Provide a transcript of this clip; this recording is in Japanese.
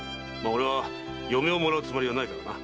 俺は嫁をもらうつもりはないからな。